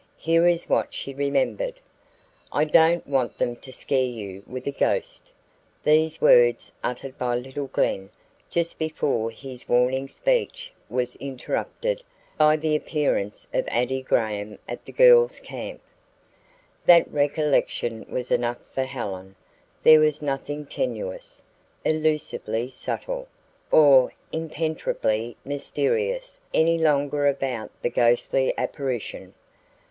Here is what she remembered: "I don't want them to scare you with a ghost" these words uttered by little Glen just before his warning speech was interrupted by the appearance of Addie Graham at the girls' camp. That recollection was enough for Helen. There was nothing tenuous, elusively subtle, or impenetrably mysterious any longer about the ghostly apparition.